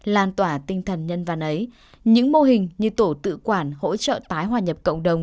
lan tỏa tinh thần nhân văn ấy những mô hình như tổ tự quản hỗ trợ tái hòa nhập cộng đồng